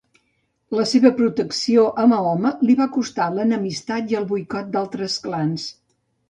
La seva protecció a Mahoma li va costar l'enemistat i el boicot d'altres clans.